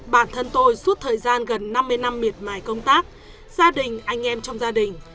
bản thân tôi suốt thời gian gần năm mươi năm miệt mài công tác gia đình anh em trong gia đình